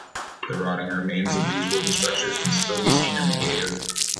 The rotting remains of these wooden structures can still be seen in the cave.